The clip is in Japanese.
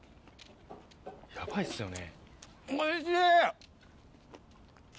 やばいっすよね。